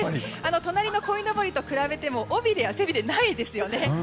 隣のこいのぼりと比べても尾びれや背びれがないですよね。